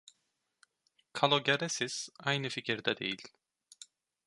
Kalogeresis aynı fikirde değil.